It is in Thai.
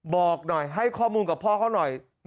บอกหน่อยให้ข้อมูลกับพ่อเขาหน่อย